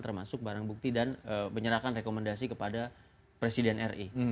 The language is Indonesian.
termasuk barang bukti dan menyerahkan rekomendasi kepada presiden ri